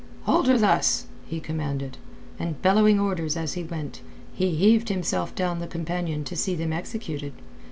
"Hold her thus," he commanded, and bellowing orders as he went, he heaved himself down the companion to see them executed.